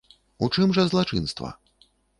У чым жа злачынства?